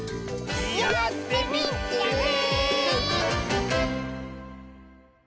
やってみてね！